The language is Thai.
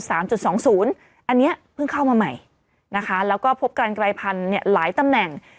อันนี้เพิ่งเข้ามาใหม่นะคะแล้วก็พบการกลายพันธุ์หลายตำแหน่ง